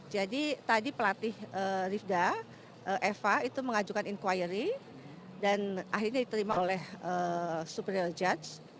jadi tadi pelatih rivda eva itu mengajukan inquiry dan akhirnya diterima oleh superior judge